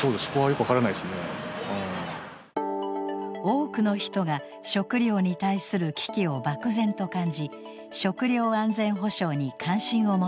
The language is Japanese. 多くの人が食料に対する危機を漠然と感じ「食料安全保障」に関心を持っています。